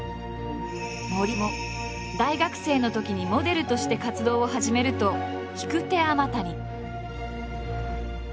森も大学生のときにモデルとして活動を始めると引く手あまたに。